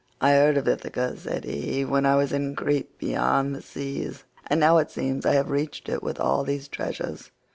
"I heard of Ithaca," said he, "when I was in Crete beyond the seas, and now it seems I have reached it with all these treasures.